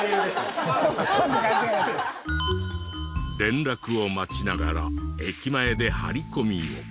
連絡を待ちながら駅前で張り込みを。